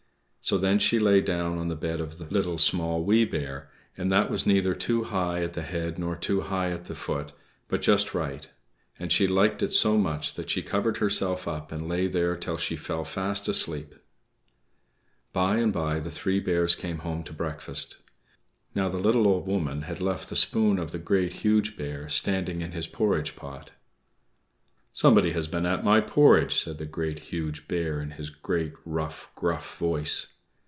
So then she lay down on the bed of the Little, Small, Wee Bear, and that was neither too high at the head nor too high at the foot, but just right. And she liked it so much that she covered herself up and lay there till she fell fast asleep! By and by the three Bears came home to breakfast. Now, the little Old Woman had left the spoon of the Great, Huge Bear standing in his porridge pot. "=Somebody has been at my porridge!=" said the Great, Huge Bear, in his great, rough, gruff voice.